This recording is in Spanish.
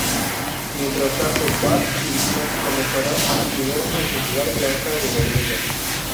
Mientras tanto, Bart y Lisa, comenzarán a cuidar una singular granja de hormigas.